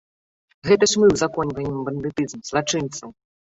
Гэта ж мы ўзаконьваем бандытызм, злачынцаў!